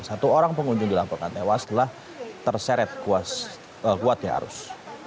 satu orang pengunjung dilaporkan tewas setelah terseret kuatnya arus